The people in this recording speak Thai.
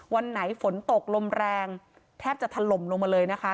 วันไหนฝนตกลมแรงแทบจะถล่มลงมาเลยนะคะ